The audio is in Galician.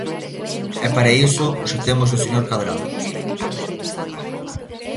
E para iso xa temos o señor Cadrado.